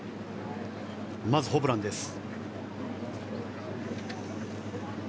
まずホブランです。